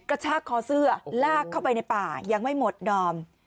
กระชากคอเสื้อลากเข้าไปในป่ายังไม่หมดดอม